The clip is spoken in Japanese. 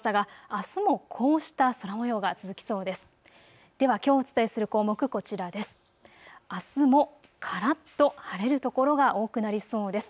あすもからっと晴れる所が多くなりそうです。